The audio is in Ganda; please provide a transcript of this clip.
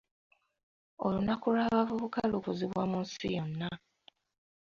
Olunaku lw'abavubuka lukuzibwa mu nsi yonna.